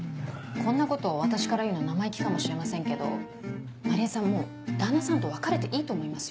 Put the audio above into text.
こんなことを私から言うのは生意気かもしれませんけど万里江さんもう旦那さんと別れていいと思いますよ。